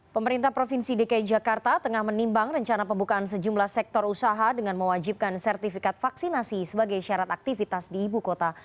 pemerintah provinsi dki jakarta tengah menimbang rencana pembukaan sejumlah sektor usaha dengan mewajibkan sertifikat vaksinasi sebagai syarat aktivitas di ibu kota